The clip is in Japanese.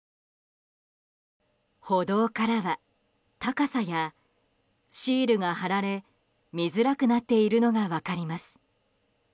歩道からは高さやシールが貼られ見づらくなっているのが分かります。